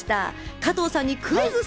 加藤さんにクイズッス！